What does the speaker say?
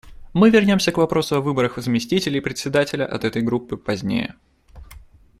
Мы вернемся к вопросу о выборах заместителей Председателя от этой Группы позднее.